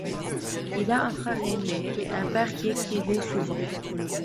Il a un frère aîné, et un père qui écrivait souvent.